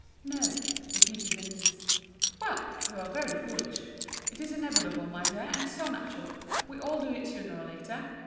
"No," repeated Denise. "Well! you are very foolish. It's inevitable, my dear, and so natural. We all do it sooner or later.